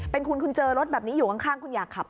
เป็นคุณคุณเจอรถแบบนี้อยู่ข้างคุณอยากขับ